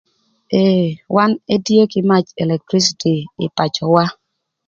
Ëë wan etye kï mac electricity ï pacöwa